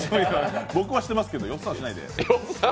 僕はしてますけど、よっさんはしないで。